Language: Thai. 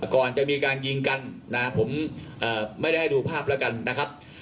ก่อนจะมีการยิงกันนะผมไม่ได้ให้ดูภาพแล้วกันนะครับ